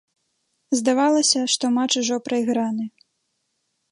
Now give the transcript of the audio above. Здавалася, што матч ужо прайграны.